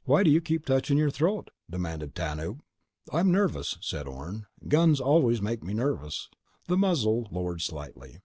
_ "Why do you keep touching your throat?" demanded Tanub. "I'm nervous," said Orne. "Guns always make me nervous." The muzzle lowered slightly.